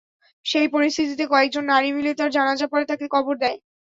সেই পরিস্থিতিতে কয়েকজন নারী মিলে তার জানাজা পড়ে, তাকে কবর দেয়।